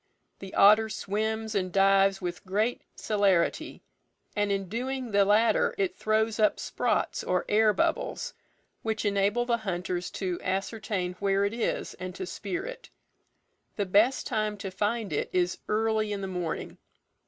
The otter swims and dives with great celerity, and in doing the latter it throws up sprots, or air bubbles, which enable the hunters to ascertain where it is, and to spear it. The best time to find it is early in the morning.